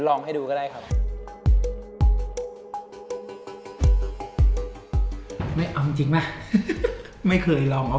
โอเค